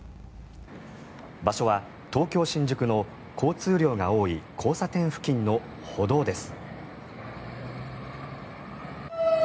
場所は東京・新宿の交通量が多い交差点付近の歩道です。